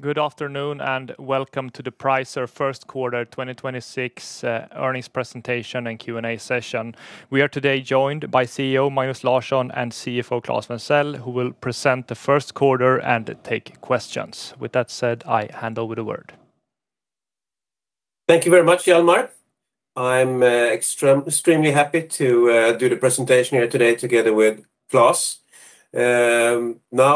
Good afternoon, and welcome to the Pricer first quarter 2026 earnings presentation and Q&A session. We are today joined by CEO Magnus Larsson and CFO Claes Wenthzel, who will present the first quarter and take questions. With that said, I hand over the word. Thank you very much, Hjalmar. I'm extremely happy to do the presentation here today together with Claes. Now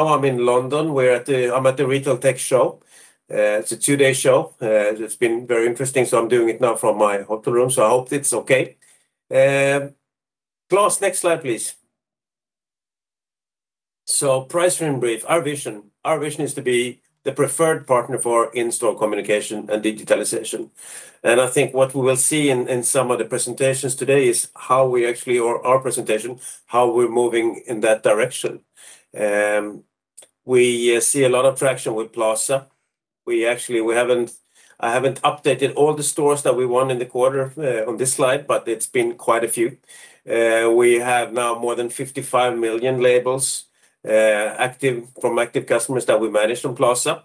I'm in London. I'm at the Retail Tech Show. It's a two-day show. It's been very interesting, so I'm doing it now from my hotel room, so I hope it's okay. Claes, next slide, please. Pricer in brief, our vision. Our vision is to be the preferred partner for in-store communication and digitalization. I think what we will see in some of the presentations today is how we actually, or our presentation, how we're moving in that direction. We see a lot of traction with Plaza. I haven't updated all the stores that we won in the quarter on this slide, but it's been quite a few. We have now more than 55 million labels, from active customers that we manage from Plaza.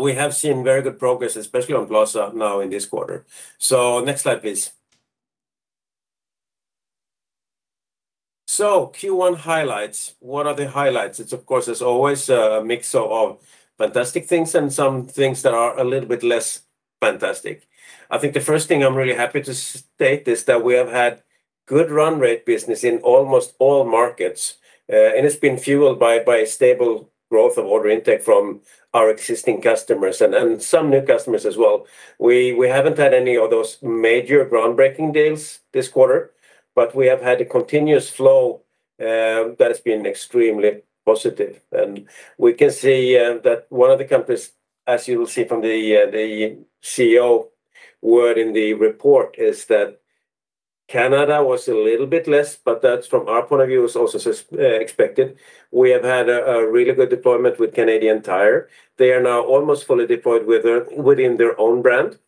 We have seen very good progress, especially on Plaza now in this quarter. Next slide, please. Q1 highlights. What are the highlights? It's, of course, as always, a mix of fantastic things and some things that are a little bit less fantastic. I think the first thing I'm really happy to state is that we have had good run rate business in almost all markets. And it's been fueled by stable growth of order intake from our existing customers and some new customers as well. We haven't had any of those major groundbreaking deals this quarter, but we have had a continuous flow that has been extremely positive. And we can see that one of the companies, as you will see from the CEO word in the report, is that Canada was a little bit less, but that from our point of view is also as expected. We have had a really good deployment with Canadian Tire. They are now almost fully deployed within their own brand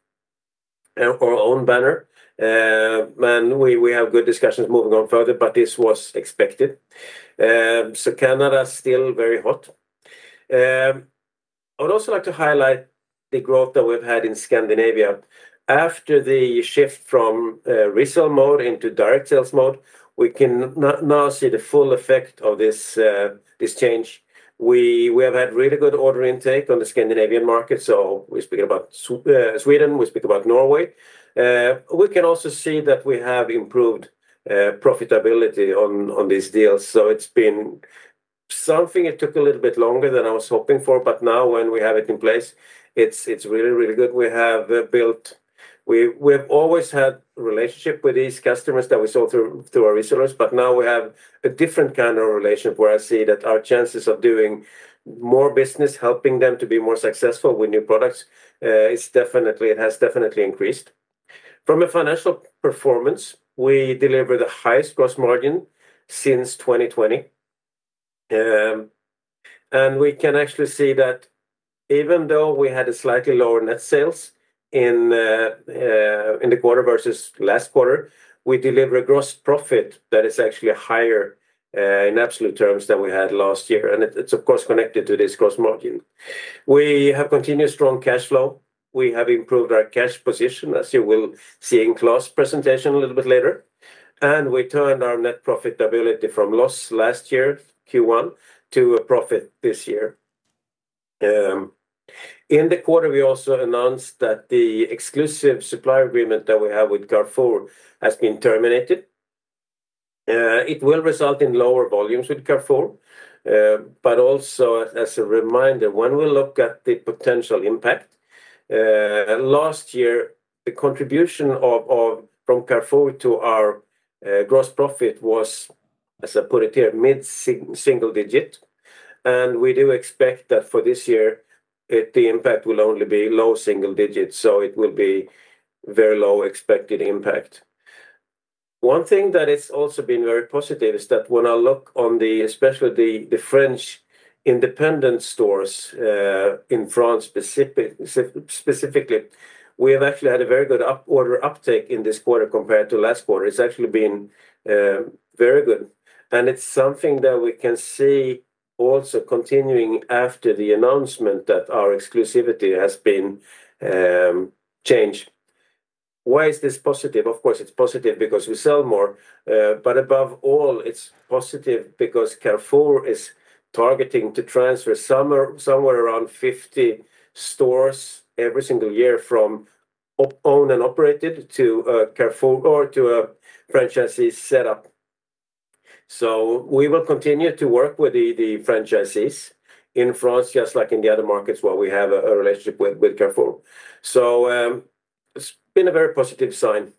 or own banner. We have good discussions moving on further, but this was expected. Canada, still very hot. I would also like to highlight the growth that we've had in Scandinavia. After the shift from resale mode into direct sales mode, we can now see the full effect of this change. We have had really good order intake on the Scandinavian market. We're speaking about Sweden, we speak about Norway. We can also see that we have improved profitability on these deals. It's been something it took a little bit longer than I was hoping for, but now when we have it in place, it's really good. We've always had relationship with these customers that we sold through our resellers, but now we have a different kind of relationship where I see that our chances of doing more business, helping them to be more successful with new products, it has definitely increased. From a financial performance, we deliver the highest gross margin since 2020. We can actually see that even though we had a slightly lower net sales in the quarter versus last quarter, we deliver a gross profit that is actually higher in absolute terms than we had last year. It's of course connected to this gross margin. We have continued strong cash flow. We have improved our cash position, as you will see in Claes Wenthzel's presentation a little bit later. We turned our net profitability from loss last year, Q1, to a profit this year. In the quarter, we also announced that the exclusive supply agreement that we have with Carrefour has been terminated. It will result in lower volumes with Carrefour. Also as a reminder, when we look at the potential impact, last year, the contribution from Carrefour to our gross profit was, as I put it here, mid-single digit. We do expect that for this year, the impact will only be low single digits, so it will be very low expected impact. One thing that has also been very positive is that when I look on especially the French independent stores, in France specifically, we have actually had a very good order uptake in this quarter compared to last quarter. It's actually been very good, and it's something that we can see also continuing after the announcement that our exclusivity has been changed. Why is this positive? Of course, it's positive because we sell more. Above all, it's positive because Carrefour is targeting to transfer somewhere around 50 stores every single year from owned and operated to a franchisee set up. We will continue to work with the franchisees in France, just like in the other markets where we have a relationship with Carrefour. It's been a very positive sign.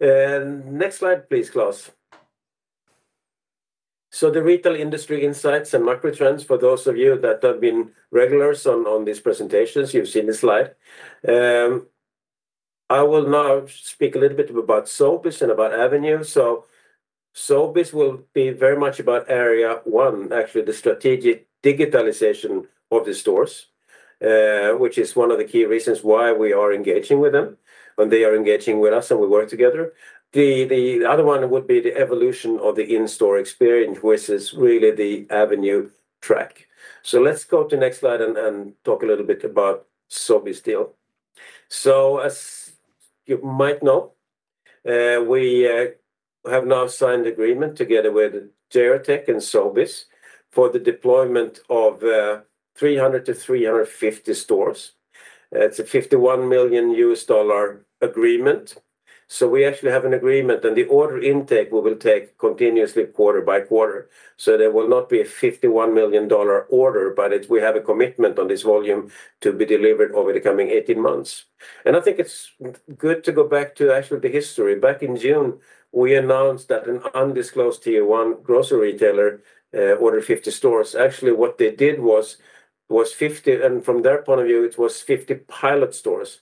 Next slide, please, Claes. The retail industry insights and macro trends, for those of you that have been regulars on these presentations, you've seen this slide. I will now speak a little bit about Sobeys and about Avenue. Sobeys will be very much about area one, actually, the strategic digitalization of the stores, which is one of the key reasons why we are engaging with them, when they are engaging with us and we work together. The other one would be the evolution of the in-store experience, which is really the Avenue track. Let's go to the next slide and talk a little bit about Sobeys deal. As you might know, we have now signed agreement together with JRTech Solutions and Sobeys for the deployment of 300-350 stores. It's a $51 million agreement. We actually have an agreement and the order intake, we will take continuously quarter by quarter. There will not be a $51 million order, but we have a commitment on this volume to be delivered over the coming 18 months. I think it's good to go back to actually the history. Back in June, we announced that an undisclosed tier one grocery retailer ordered 50 stores. Actually, what they did was 50, and from their point of view, it was 50 pilot stores.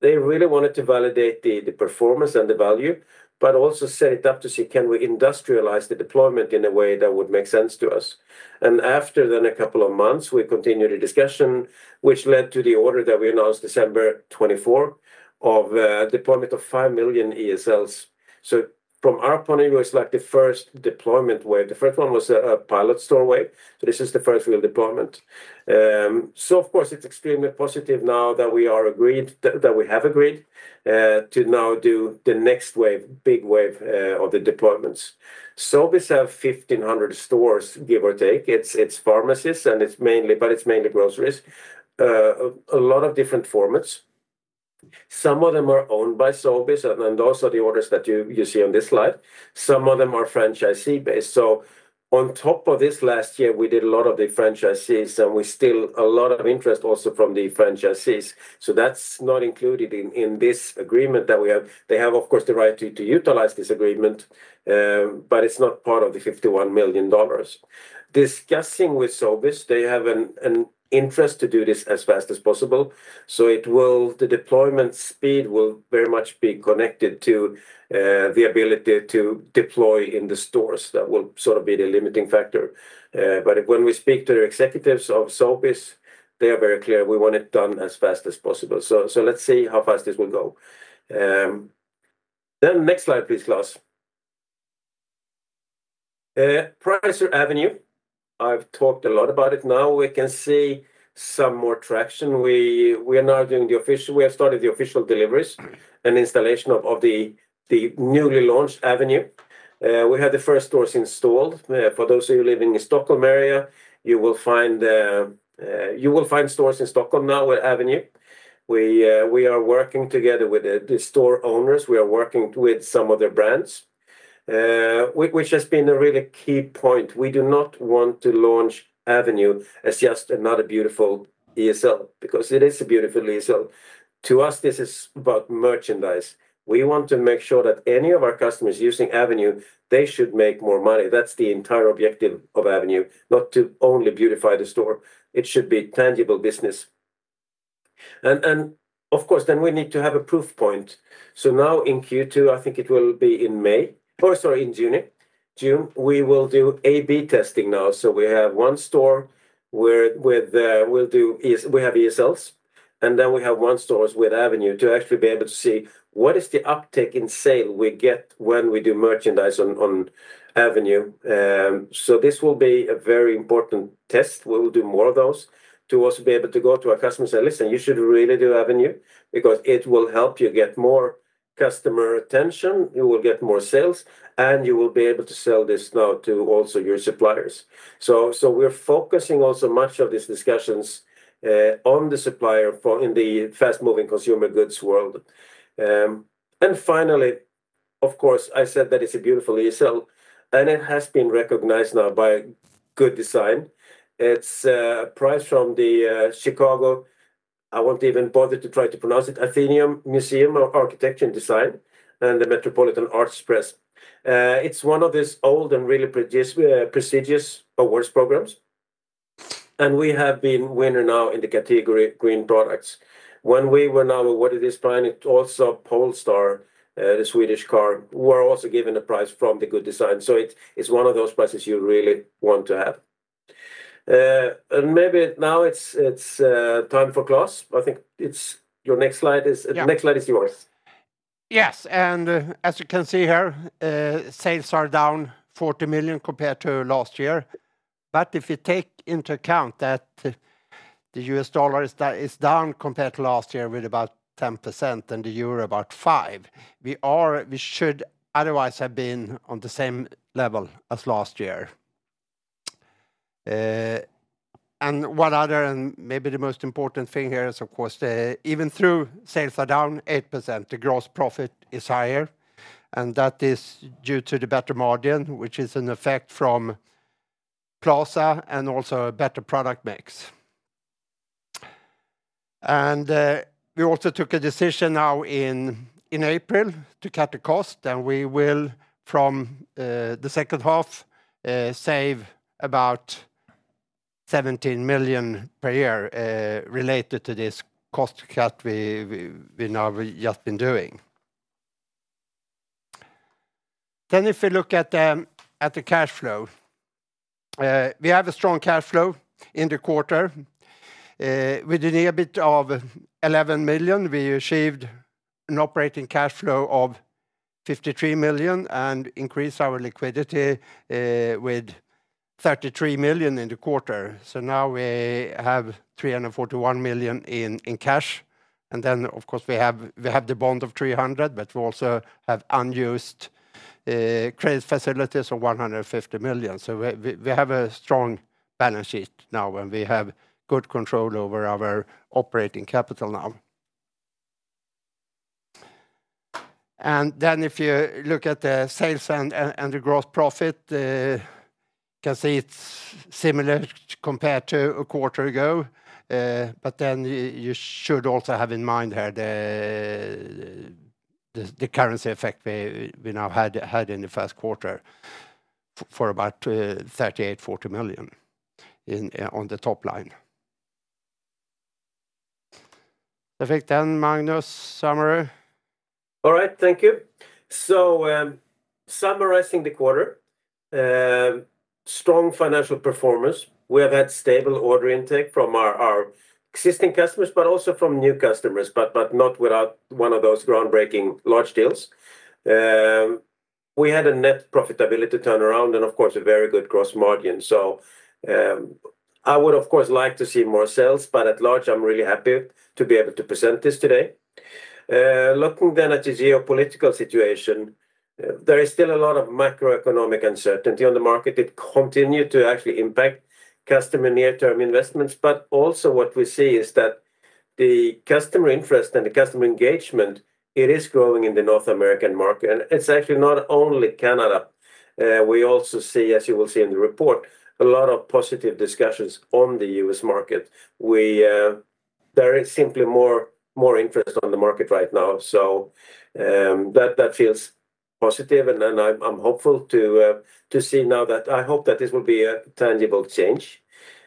They really wanted to validate the performance and the value, but also set it up to see, can we industrialize the deployment in a way that would make sense to us? After that a couple of months, we continued the discussion, which led to the order that we announced December 24, of deployment of five million ESLs. From our point of view, it's like the first deployment wave. The first one was a pilot store wave. This is the first real deployment. Of course, it's extremely positive now that we have agreed to now do the next wave, big wave of the deployments. Sobeys have 1,500 stores, give or take. It's pharmacies, but it's mainly groceries. A lot of different formats. Some of them are owned by Sobeys and those are the orders that you see on this slide. Some of them are franchisee-based. On top of this last year, we did a lot of the franchisees and we still, a lot of interest also from the franchisees. That's not included in this agreement that we have. They have, of course, the right to utilize this agreement, but it's not part of the $51 million. Discussing with Sobeys, they have an interest to do this as fast as possible. The deployment speed will very much be connected to the ability to deploy in the stores. That will sort of be the limiting factor. When we speak to the executives of Sobeys, they are very clear, we want it done as fast as possible. Let's see how fast this will go. Next slide, please, Claes. Pricer Avenue. I've talked a lot about it. Now we can see some more traction. We have started the official deliveries and installation of the newly launched Avenue. We have the first stores installed. For those of you living in Stockholm area, you will find stores in Stockholm now with Avenue. We are working together with the store owners. We are working with some of their brands, which has been a really key point. We do not want to launch Avenue as just another beautiful ESL, because it is a beautiful ESL. To us, this is about merchandise. We want to make sure that any of our customers using Avenue, they should make more money. That's the entire objective of Avenue, not to only beautify the store. It should be tangible business. Of course, then we need to have a proof point. Now in Q2, I think it will be in May, or sorry, in June, we will do A/B testing now. We have one store where we have ESLs, and then we have one store with Avenue to actually be able to see what is the uptick in sale we get when we do merchandise on Avenue. This will be a very important test. We will do more of those to also be able to go to our customers and say, "Listen, you should really do Avenue because it will help you get more customer attention. You will get more sales, and you will be able to sell this now to also your suppliers." We're focusing also much of these discussions on the supplier in the fast-moving consumer goods world. Finally, of course, I said that it's a beautiful ESL, and it has been recognized now by Good Design. It's a prize from The Chicago Athenaeum: Museum of Architecture and Design and the Metropolitan Arts Press. It's one of these old and really prestigious awards programs. We have been winner now in the category Green Products. When we were now awarded this prize, also Polestar, the Swedish car, were also given a prize from the Good Design. It is one of those prizes you really want to have. Maybe now it's time for Claes. I think the next slide is yours. Yes, as you can see here, sales are down 40 million compared to last year. If you take into account that the U.S. dollar is down compared to last year with about 10% and the euro about 5%, we should otherwise have been on the same level as last year. One other, and maybe the most important thing here is, of course, even though sales are down 8%, the gross profit is higher, and that is due to the better margin, which is an effect from Plaza and also a better product mix. We also took a decision now in April to cut the cost, and we will, from the second half, save about 17 million per year, related to this cost cut we've just been doing. If you look at the cash flow. We have a strong cash flow in the quarter. With an EBIT of 11 million, we achieved an operating cash flow of 53 million and increased our liquidity with 33 million in the quarter. Now we have 341 million in cash. Of course we have the bond of 300 million, but we also have unused credit facilities of 150 million. We have a strong balance sheet now, and we have good control over our operating capital now. If you look at the sales and the gross profit, you can see it's similar compared to a quarter ago. You should also have in mind here the currency effect we now had in the first quarter for about 38 million-40 million on the top line. Perfect. Magnus, summary. All right. Thank you. Summarizing the quarter, strong financial performance. We have had stable order intake from our existing customers, but also from new customers, but not without one of those groundbreaking large deals. We had a net profitability turnaround and of course a very good gross margin. I would of course like to see more sales, but at large, I'm really happy to be able to present this today. Looking at the geopolitical situation, there is still a lot of macroeconomic uncertainty on the market. It continued to actually impact customer near-term investments. Also what we see is that the customer interest and the customer engagement, it is growing in the North American market, and it's actually not only Canada. We also see, as you will see in the report, a lot of positive discussions on the U.S. market. There is simply more interest on the market right now. That feels positive and I'm hopeful to see now that I hope that this will be a tangible change.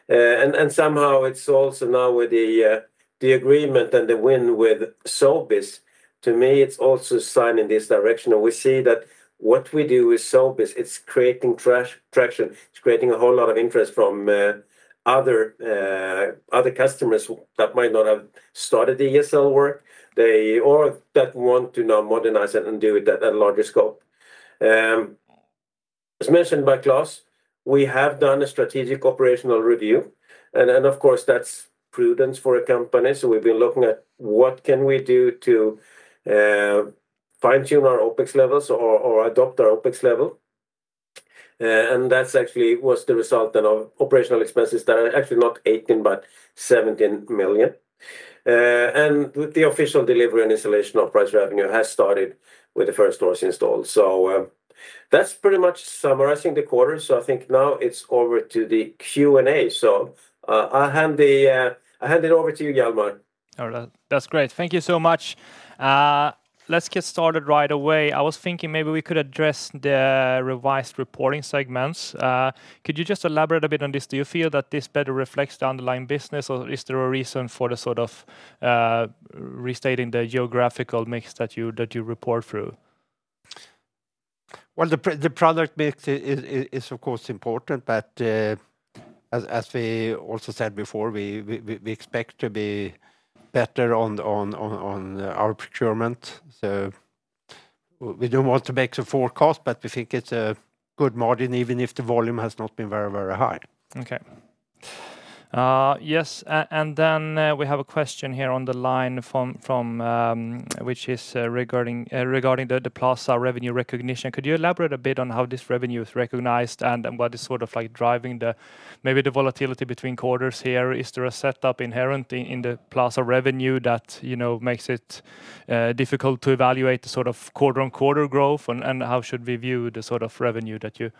Somehow it's also now with the agreement and the win with Sobeys, to me, it's also sign in this direction and we see that what we do with Sobeys, it's creating traction. It's creating a whole lot of interest from other customers that might not have started the ESL work. They all want to now modernize it and do it at a larger scope. As mentioned by Claes, we have done a strategic operational review, and of course that's prudence for a company. We've been looking at what can we do to fine-tune our OPEX levels or adapt our OPEX level. That's actually was the result then of operational expenses that are actually not 18 million, but 17 million. The official delivery and installation of Pricer Avenue has started with the first stores installed. That's pretty much summarizing the quarter. I think now it's over to the Q&A. I'll hand it over to you, Hjalmar. All right. That's great. Thank you so much. Let's get started right away. I was thinking maybe we could address the revised reporting segments. Could you just elaborate a bit on this? Do you feel that this better reflects the underlying business, or is there a reason for the sort of restating the geographical mix that you report through? Well, the product mix is of course important, but as we also said before, we expect to be better on our procurement. We don't want to make the forecast, but we think it's a good margin even if the volume has not been very high. Okay. Yes, we have a question here on the line which is regarding the Plaza revenue recognition. Could you elaborate a bit on how this revenue is recognized and what is driving maybe the volatility between quarters here? Is there a setup inherent in the Plaza revenue that makes it difficult to evaluate the sort of quarter-on-quarter growth and how should we view the sort of revenue that you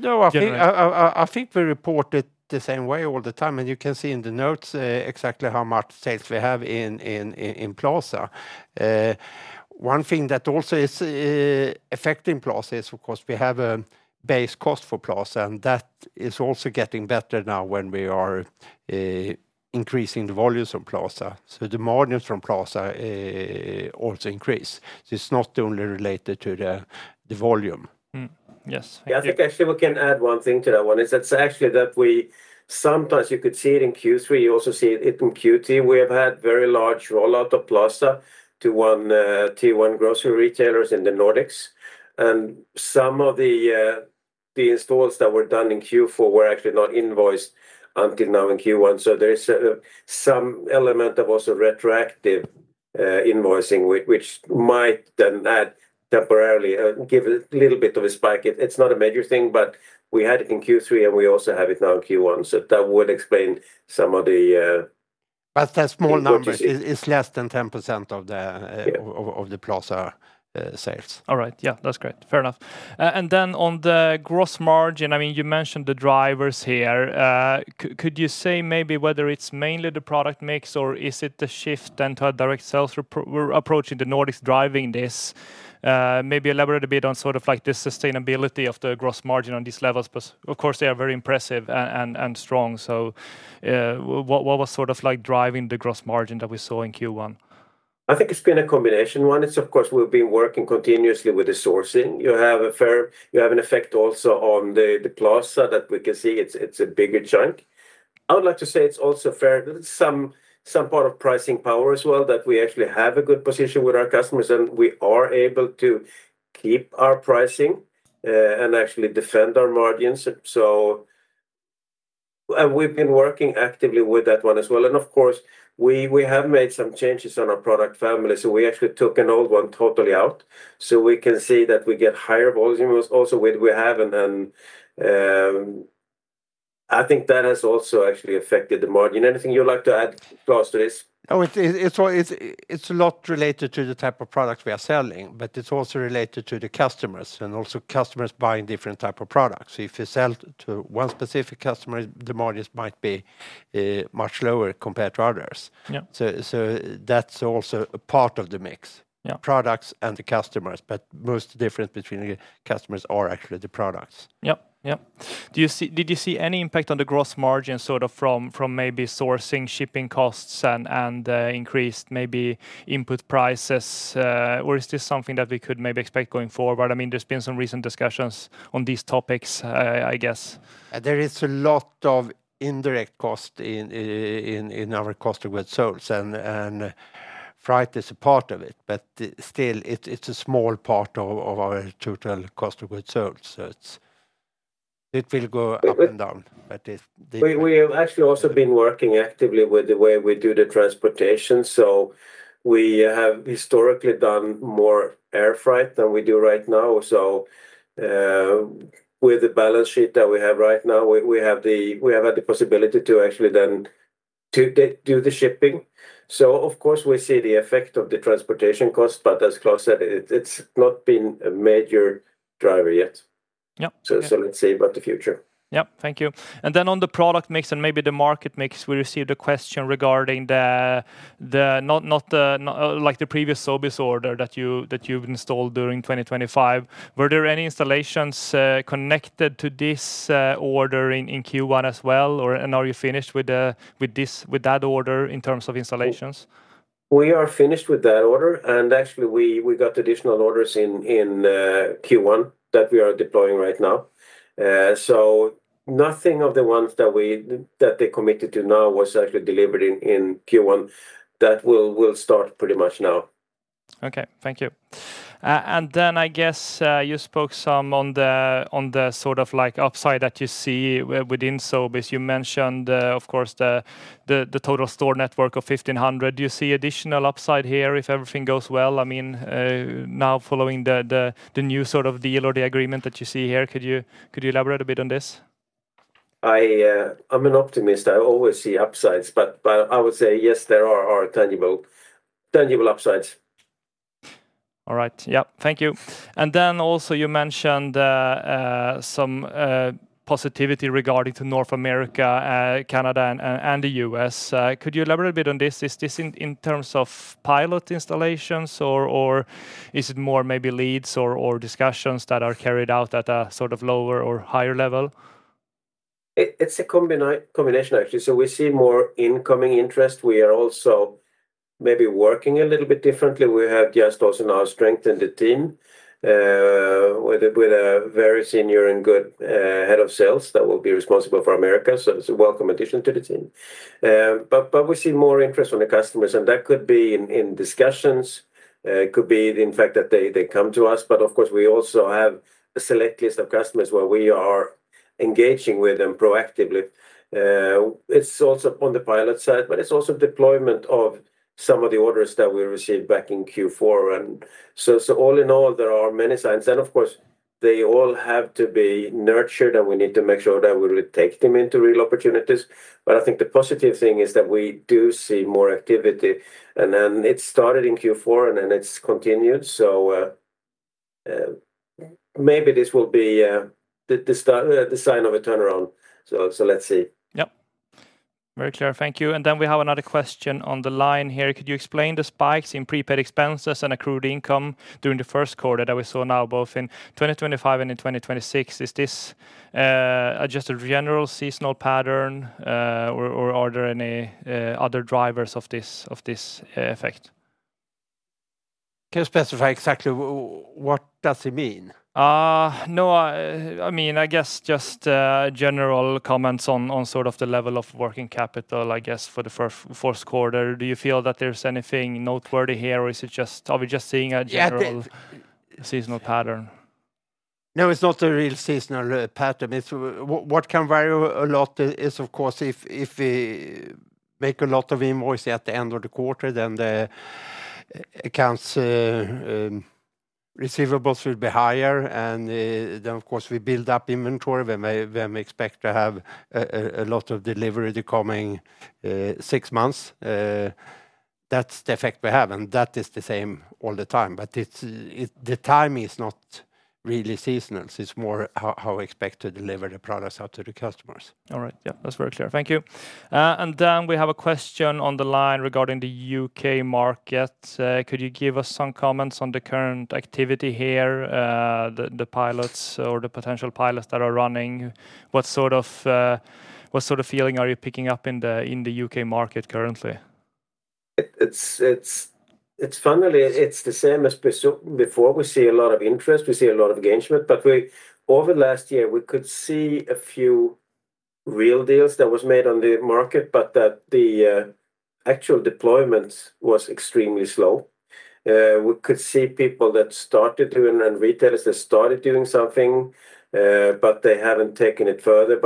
generate? No, I think we report it the same way all the time, and you can see in the notes exactly how much sales we have in Plaza. One thing that also is affecting Plaza is, of course, we have a base cost for Plaza, and that is also getting better now when we are increasing the volumes from Plaza. The margins from Plaza also increase. It's not only related to the volume. Mm-hmm. Yes. Yeah, I think actually we can add one thing to that one. It's actually that we sometimes you could see it in Q3. You also see it in Q2. We have had very large rollout of Plaza to tier-one grocery retailers in the Nordics, and some of the installs that were done in Q4 were actually not invoiced until now in Q1. There is some element of also retroactive invoicing, which might then add temporarily give a little bit of a spike. It's not a major thing, but we had it in Q3 and we also have it now in Q1. That would explain some of the... That's small numbers. It's less than 10% of the Plaza sales. All right. Yeah, that's great. Fair enough. On the gross margin, you mentioned the drivers here. Could you say maybe whether it's mainly the product mix or is it the shift then to a direct sales approach in the Nordics driving this? Maybe elaborate a bit on the sustainability of the gross margin on these levels. Of course, they are very impressive and strong. What was driving the gross margin that we saw in Q1? I think it's been a combination. One is, of course, we've been working continuously with the sourcing. You have an effect also on the Plaza that we can see. It's a bigger chunk. I would like to say it's also fair that it's some part of pricing power as well, that we actually have a good position with our customers and we are able to keep our pricing and actually defend our margins. We've been working actively with that one as well. Of course, we have made some changes on our product family. We actually took an old one totally out so we can see that we get higher volumes also with what we have and I think that has also actually affected the margin. Anything you'd like to add, Claes Wenthzel, to this? No, it's a lot related to the type of product we are selling, but it's also related to the customers and also customers buying different type of products. If you sell to one specific customer, the margins might be much lower compared to others. Yeah. That's also a part of the mix. Yeah. Products and the customers, but the most different between the customers are actually the products. Yep. Did you see any impact on the gross margin from maybe sourcing shipping costs and increased maybe input prices? Or is this something that we could maybe expect going forward? There's been some recent discussions on these topics, I guess. There is a lot of indirect cost in our cost of goods sold and freight is a part of it, but still, it's a small part of our total cost of goods sold. It will go up and down. We have actually also been working actively with the way we do the transportation. We have historically done more air freight than we do right now. With the balance sheet that we have right now, we have had the possibility to actually then do the shipping. Of course, we see the effect of the transportation cost, but as Claes said, it's not been a major driver yet. Yep. Let's see about the future. Yep. Thank you. On the product mix and maybe the market mix, we received a question regarding the previous Sobeys order that you've installed during 2025. Were there any installations connected to this order in Q1 as well, and are you finished with that order in terms of installations? We are finished with that order, and actually we got additional orders in Q1 that we are deploying right now. Nothing of the ones that they committed to now was actually delivered in Q1. That will start pretty much now. Okay. Thank you. I guess you spoke some on the upside that you see within Sobeys. You mentioned, of course, the total store network of 1,500. Do you see additional upside here if everything goes well? Now following the new deal or the agreement that you see here, could you elaborate a bit on this? I'm an optimist. I always see upsides, but I would say yes, there are tangible upsides. All right. Yep. Thank you. Also you mentioned some positivity regarding to North America, Canada, and the U.S. Could you elaborate a bit on this? Is this in terms of pilot installations or is it more maybe leads or discussions that are carried out at a lower or higher level? It's a combination, actually. We see more incoming interest. We are also maybe working a little bit differently. We have just also now strengthened the team, with a very senior and good head of sales that will be responsible for America. It's a welcome addition to the team. We see more interest from the customers, and that could be in discussions. It could be the fact that they come to us, but of course, we also have a select list of customers where we are engaging with them proactively. It's also on the pilot side, but it's also deployment of some of the orders that we received back in Q4. All in all, there are many signs, and of course, they all have to be nurtured and we need to make sure that we take them into real opportunities. I think the positive thing is that we do see more activity, and then it started in Q4, and then it's continued. Maybe this will be the sign of a turnaround. Let's see. Yep. Very clear. Thank you. Then we have another question on the line here. Could you explain the spikes in prepaid expenses and accrued income during the first quarter that we saw now both in 2025 and in 2026? Is this just a general seasonal pattern, or are there any other drivers of this effect? Can you specify exactly what does it mean? No, I guess just general comments on the level of working capital, I guess, for the first quarter. Do you feel that there's anything noteworthy here, or are we just seeing a general seasonal pattern? No, it's not a real seasonal pattern. What can vary a lot is, of course, if we make a lot of invoices at the end of the quarter, then the accounts receivable will be higher. Of course, we build up inventory. We may expect to have a lot of deliveries the coming six months. That's the effect we have, and that is the same all the time. The timing is not really seasonal. It's more how we expect to deliver the products out to the customers. All right. Yep. That's very clear. Thank you. We have a question on the line regarding the U.K. market. Could you give us some comments on the current activity here, the pilots or the potential pilots that are running? What sort of feeling are you picking up in the U.K. market currently? It's finally, it's the same as before. We see a lot of interest, we see a lot of engagement, but over last year, we could see a few real deals that was made on the market, but that the actual deployments was extremely slow. We could see people that started doing, and retailers that started doing something, but they haven't taken it further.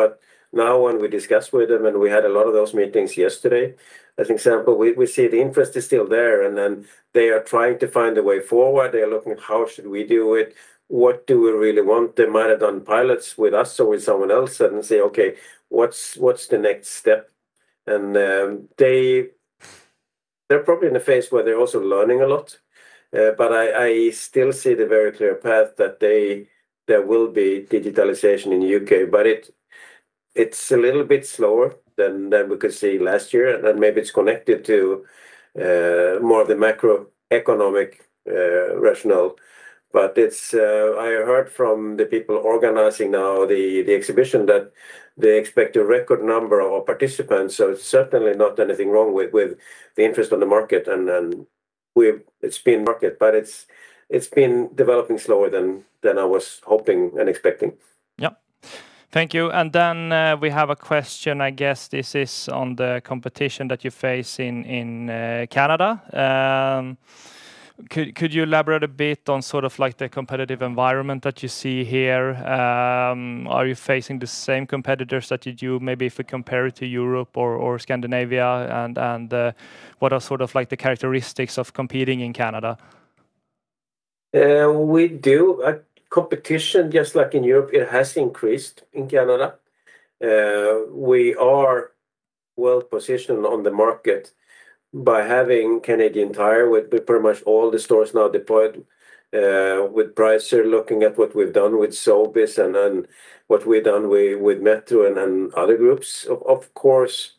Now when we discuss with them, and we had a lot of those meetings yesterday, as example, we see the interest is still there, and then they are trying to find a way forward. They are looking at how should we do it? What do we really want? They might have done pilots with us or with someone else and say, "Okay, what's the next step?" They're probably in a phase where they're also learning a lot. I still see the very clear path that there will be digitalization in U.K., but it's a little bit slower than we could see last year. Then maybe it's connected to more of the macroeconomic rationale. I heard from the people organizing now the exhibition, that they expect a record number of participants, so it's certainly not anything wrong with the interest on the market. It's been marketed, but it's been developing slower than I was hoping and expecting. Yep. Thank you. We have a question, I guess this is on the competition that you face in Canada. Could you elaborate a bit on the competitive environment that you see here? Are you facing the same competitors that you do, maybe if we compare it to Europe or Scandinavia and what are the characteristics of competing in Canada? We do. Competition, just like in Europe, it has increased in Canada. We are well-positioned on the market by having Canadian Tire with pretty much all the stores now deployed, with Pricer, looking at what we've done with Sobeys and then what we've done with Metro and other groups. Of course,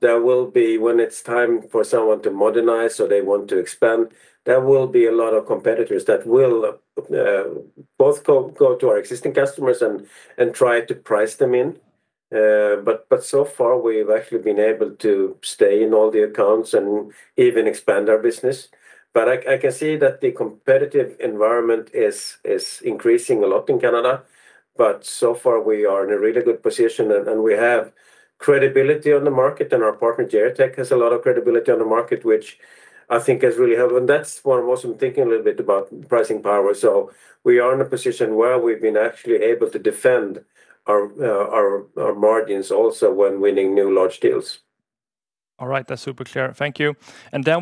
there will be, when it's time for someone to modernize or they want to expand, there will be a lot of competitors that will both go to our existing customers and try to price them in. So far, we've actually been able to stay in all the accounts and even expand our business. I can see that the competitive environment is increasing a lot in Canada. So far, we are in a really good position, and we have credibility on the market, and our partner, JRTech, has a lot of credibility on the market, which I think has really helped. That's why I'm also thinking a little bit about pricing power. We are in a position where we've been actually able to defend our margins also when winning new large deals. All right. That's super clear. Thank you.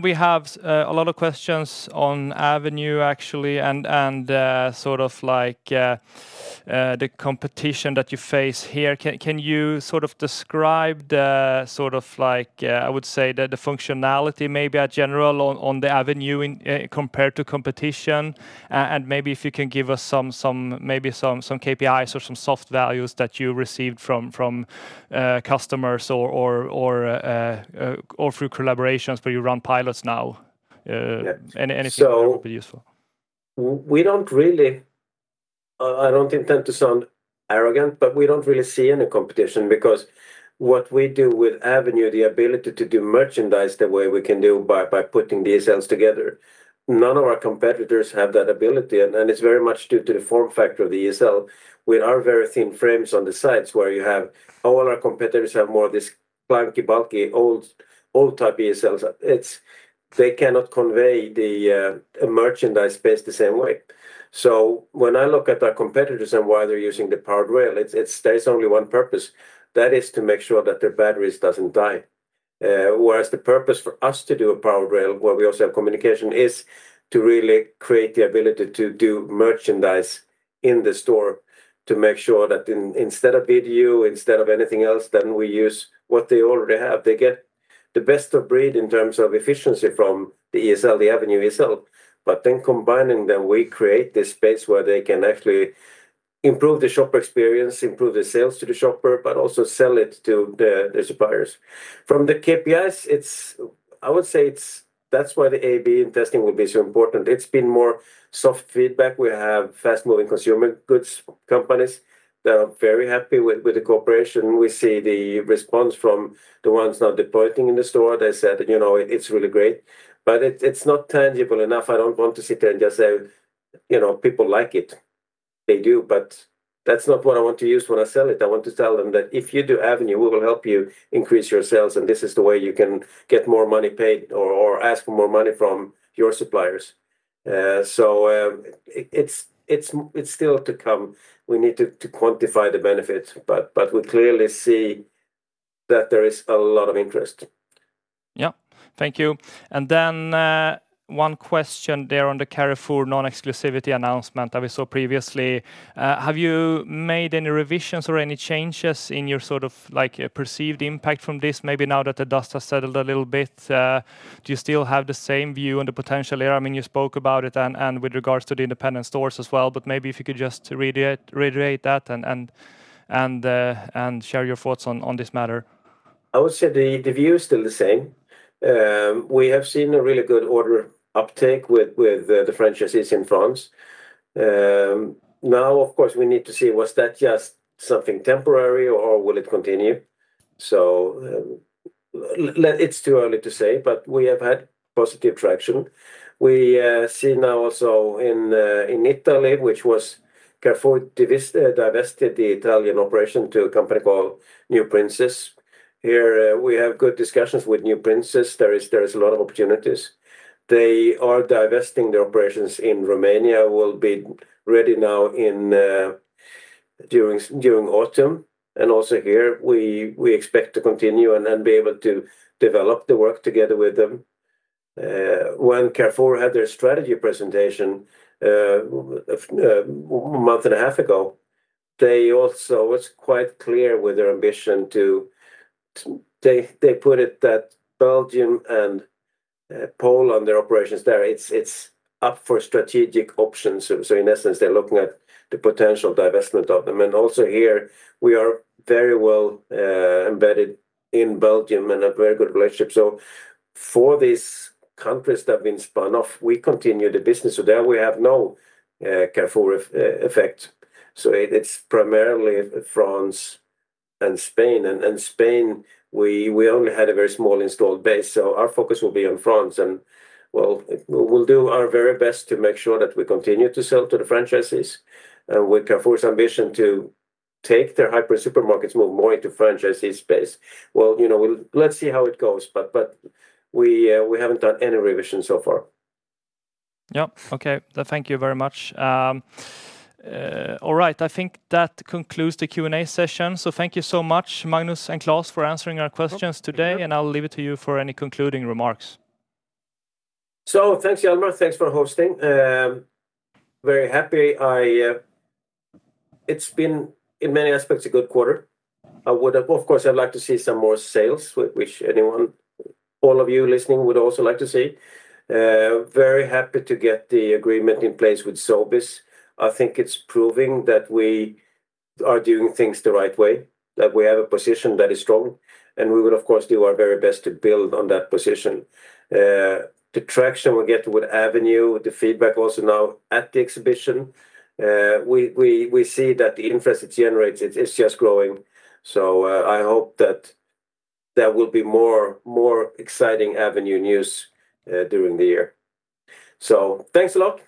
We have a lot of questions on Avenue, actually, and the competition that you face here. Can you describe the, I would say, the functionality maybe in general on the Avenue compared to competition? Maybe if you can give us maybe some KPIs or some soft values that you received from customers or through collaborations where you run pilots now. Yeah. Anything that would be useful. I don't intend to sound arrogant, but we don't really see any competition because what we do with Avenue, the ability to do merchandise the way we can do by putting ESLs together, none of our competitors have that ability, and it's very much due to the form factor of the ESL. With our very thin frames on the sides where you have all our competitors have more of this clunky, bulky, old-type ESLs. They cannot convey the merchandise space the same way. When I look at our competitors and why they're using the powered rail, there's only one purpose. That is to make sure that their batteries doesn't die. Whereas the purpose for us to do a powered rail, where we also have communication, is to really create the ability to do merchandise in the store to make sure that instead of VDU, instead of anything else, then we use what they already have. They get the best of breed in terms of efficiency from the ESL, the Avenue ESL. Combining them, we create this space where they can actually improve the shopper experience, improve the sales to the shopper, but also sell it to the suppliers. From the KPIs, I would say that's why the A/B testing will be so important. It's been more soft feedback. We have fast-moving consumer goods companies that are very happy with the cooperation. We see the response from the ones now deploying in the store. They said, "It's really great," but it's not tangible enough. I don't want to sit there and just say, "People like it." They do, but that's not what I want to use when I sell it. I want to tell them that if you do Avenue, we will help you increase your sales, and this is the way you can get more money paid or ask for more money from your suppliers. It's still to come. We need to quantify the benefits, but we clearly see that there is a lot of interest. Yeah. Thank you. One question there on the Carrefour non-exclusivity announcement that we saw previously. Have you made any revisions or any changes in your perceived impact from this? Maybe now that the dust has settled a little bit, do you still have the same view on the potential there? You spoke about it and with regards to the independent stores as well, but maybe if you could just reiterate that and share your thoughts on this matter. I would say the view is still the same. We have seen a really good order uptake with the franchisees in France. Now of course, we need to see was that just something temporary or will it continue? It's too early to say, but we have had positive traction. We see now also in Italy, Carrefour divested the Italian operation to a company called New Princess. Here, we have good discussions with New Princess. There is a lot of opportunities. They are divesting their operations in Romania, will be ready now during autumn. Also here, we expect to continue and then be able to develop the work together with them. When Carrefour had their strategy presentation a month and a half ago, they also was quite clear with their ambition. They put it that Belgium and Poland, their operations there, it's up for strategic options. In essence, they're looking at the potential divestment of them. Also here we are very well embedded in Belgium and a very good relationship. For these countries that have been spun off, we continue the business. There we have no Carrefour effect. It's primarily France and Spain. Spain, we only had a very small installed base, so our focus will be on France. We'll do our very best to make sure that we continue to sell to the franchisees and with Carrefour's ambition to take their hyper supermarkets, move more into franchisee space. Well, let's see how it goes, but we haven't done any revision so far. Yep. Okay. Thank you very much. All right. I think that concludes the Q&A session. Thank you so much, Magnus and Claes, for answering our questions today, and I'll leave it to you for any concluding remarks. Thanks, Hjalmar. Thanks for hosting. Very happy. It's been, in many aspects, a good quarter. Of course, I'd like to see some more sales, which all of you listening would also like to see. Very happy to get the agreement in place with Sobeys. I think it's proving that we are doing things the right way, that we have a position that is strong, and we will, of course, do our very best to build on that position. The traction we get with Avenue, the feedback also now at the exhibition, we see that the interest it generates is just growing. I hope that there will be more exciting Avenue news during the year. Thanks a lot.